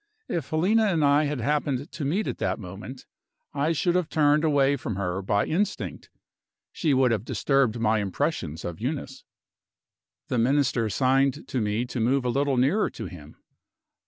If Helena and I had happened to meet at that moment, I should have turned away from her by instinct she would have disturbed my impressions of Eunice. The Minister signed to me to move a little nearer to him.